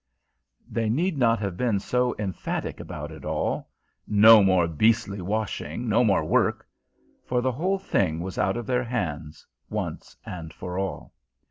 They need not have been so emphatic about it all "No more beastly washing, no more work" for the whole thing was out of their hands once and for all.